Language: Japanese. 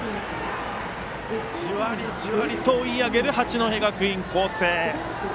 じわりじわりと追い上げる八戸学院光星。